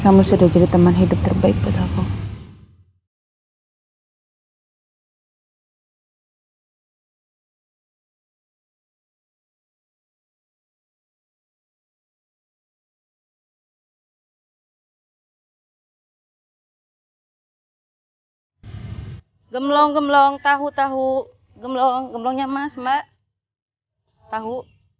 menjadi teman hidup terbaik betapa gemlong gemlong tahu tahu gemlong gemlongnya mas mak tahu